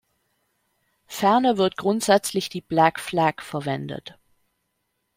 Ferner wird grundsätzlich die „Black Flag“ verwendet.